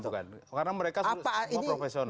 oh bukan bukan karena mereka semua profesional